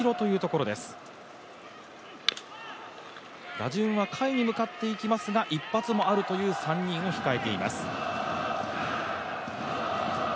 打順は下位に向かっていきますが一発もあるという３人を控えています。